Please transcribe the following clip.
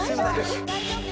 大丈夫？